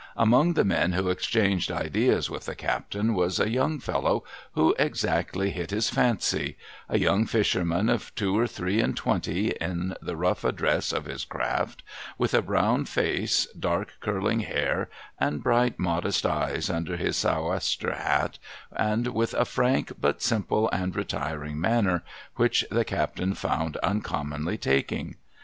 Among the men who exchanged ideas with the captain was a young fellow, who exactly hit his fancy, —a young fisherman of two or three and twenty, in the rough sea dress of his craft, with a brown face, dark curling hair, and dright, modest eyes under his Sou'wester hat, and with a frank, but simple and retiring manner, which the captain found uncommonly taking.